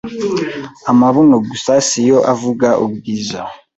amabuno gusa siyo avuga ubwiza